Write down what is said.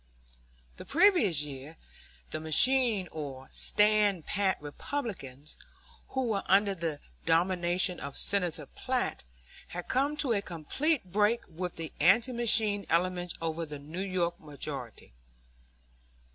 The previous year, the machine or standpat Republicans, who were under the domination of Senator Platt, had come to a complete break with the anti machine element over the New York mayoralty.